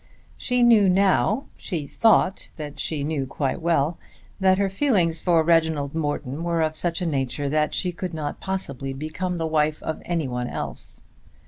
She knew now, she thought that she knew quite well, that her feelings for Reginald Morton were of such a nature that she could not possibly become the wife of any one else.